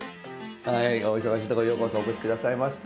お忙しいところようこそお越し下さいました。